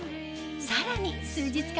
さらに数日間